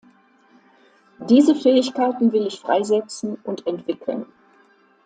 Diese Fähigkeiten will ich freisetzen und entwickeln.